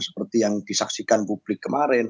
seperti yang disaksikan publik kemarin